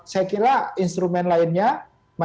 saya kira instrumen lainnya